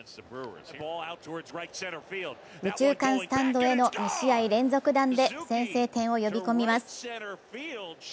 右中間スタンドへの２試合連続弾で先制点を呼び込みます。